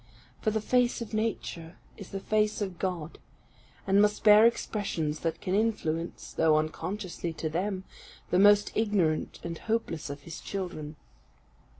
For the face of nature is the face of God, and must bear expressions that can influence, though unconsciously to them, the most ignorant and hopeless of His children.